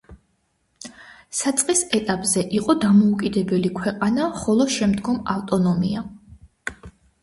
საწყის ეტაპზე იყო დამოუკიდებელი ქვეყანა ხოლო შემდგომ ავტონომია.